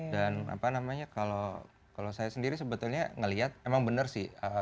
dan apa namanya kalau saya sendiri sebetulnya ngeliat emang bener sih